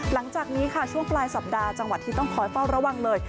หลังจากนี้ค่ะช่วงปลายสัปดาห์จังหวัดที่ต้องคอยเฝ้าระวังเลย